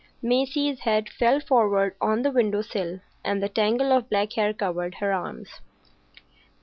Maisie's head fell forward on the window sill, and the tangle of black hair covered her arms.